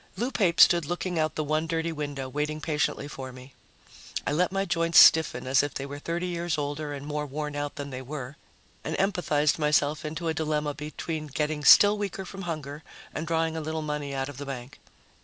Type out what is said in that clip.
Lou Pape stood looking out the one dirty window, waiting patiently for me. I let my joints stiffen as if they were thirty years older and more worn out than they were, and empathized myself into a dilemma between getting still weaker from hunger and drawing a little money out of the bank.